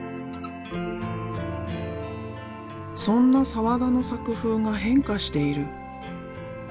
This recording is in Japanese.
そんな澤田の作風が変化している。